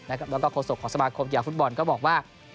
แล้วก็โฆษกของสมาคมกีฬาฟุตบอลก็บอกว่า